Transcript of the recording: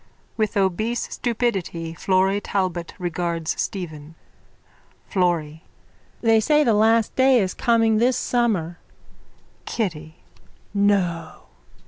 (With obese stupidity Florry Talbot regards Stephen.) FLORRY: They say the last day is coming this summer. KITTY: No!